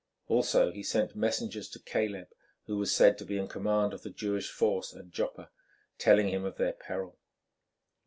Also he sent messengers to Caleb, who was said to be in command of the Jewish force at Joppa, telling him of their peril.